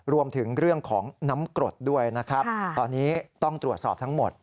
รวมถึงเรื่องของน้ำกรดด้วยนะครับตอนนี้ต้องตรวจสอบทั้งหมด